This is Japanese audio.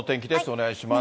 お願いします。